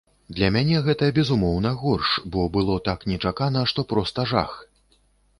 Для мяне гэта, безумоўна, горш, бо было так нечакана, што проста жах.